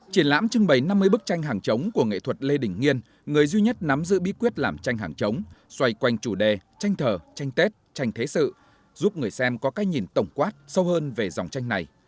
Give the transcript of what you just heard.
triển lãm trưng bày năm mươi bức tranh hàng chống của nghệ thuật lê đình nghiên người duy nhất nắm giữ bí quyết làm tranh hàng trống xoay quanh chủ đề tranh thờ tranh tết tranh thế sự giúp người xem có cái nhìn tổng quát sâu hơn về dòng tranh này